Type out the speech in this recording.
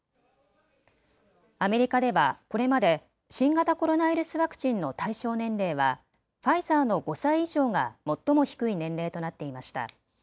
アメリカではこれまで新型コロナウイルスワクチンの対象年齢はファイザーの５歳以上が最も低い年齢となっていました。